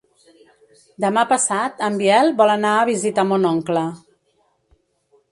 Demà passat en Biel vol anar a visitar mon oncle.